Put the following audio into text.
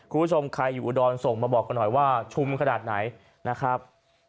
คุณผู้ชมใครอยู่อุดรส่งมาบอกกันหน่อยว่าชุมขนาดไหนนะครับ